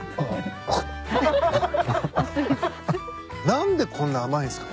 何でこんな甘いんすか？